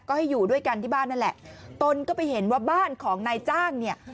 ก็ให้อยู่ด้วยกันที่บ้านนั่นแหละตนก็ไปเห็นว่าบ้านของนายจ้างเนี่ย